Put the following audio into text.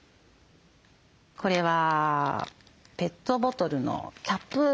これはペットボトルのキャップ。